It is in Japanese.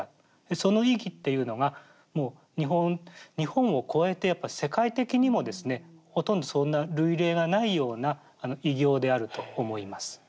その意義っていうのが日本を超えて世界的にもですねほとんどそんな類例がないような偉業であると思います。